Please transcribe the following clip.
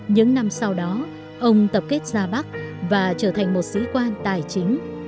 những năm sau đó ông tập kết ra bắc và trở thành một sĩ quan tài chính